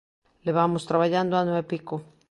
Levamos traballando ano e pico.